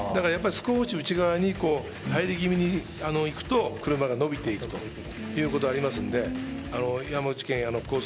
だから少し内側に入り気味に行くと、車がのびていくということがありますので、山口拳矢のコース